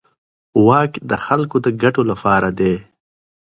واک د خلکو د ګټو لپاره دی.